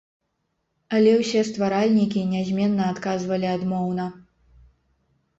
Але ўсе стваральнікі нязменна адказвалі адмоўна.